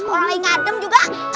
tolonglah ngadem juga